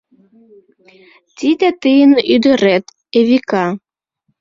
Тиде тыйын ӱдырет — Эвика.